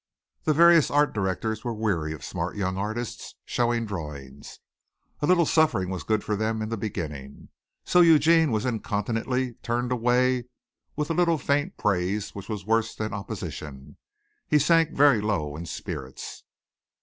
The various art directors were weary of smart young artists showing drawings. A little suffering was good for them in the beginning. So Eugene was incontinently turned away with a little faint praise which was worse than opposition. He sank very low in spirits.